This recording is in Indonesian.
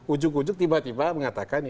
ujung ujung tiba tiba mengatakan ini